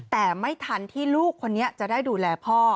แต่ไม่ทันที่ลูกคนนี้จะได้ดูแลพ่อ